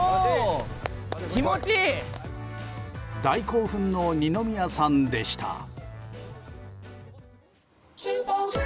大興奮の二宮さんでした。